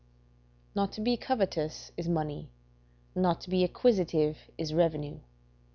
["Not to be covetous, is money; not to be acquisitive, is revenue."